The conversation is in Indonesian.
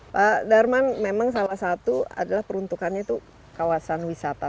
pak darman memang salah satu adalah peruntukannya itu kawasan wisata